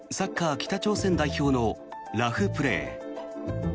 北朝鮮代表のラフプレー。